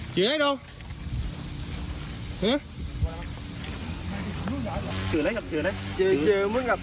คืออะไรครับ